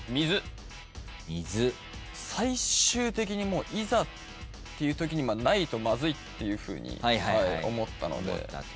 最終的にいざっていうときにないとまずいっていうふうに思ったので。